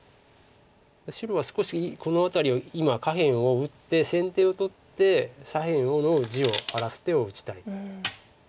白は少しこの辺りを今下辺を打って先手を取って左辺の地を荒らす手を打ちたい。